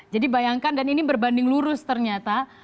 jadi bayangkan dan ini berbanding lurus ternyata